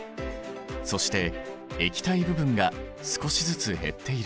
そして液体部分が少しずつ減っている。